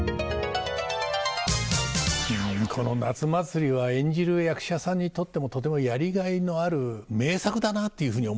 この「夏祭」は演じる役者さんにとってもとてもやりがいのある名作だなっていうふうに思いますね。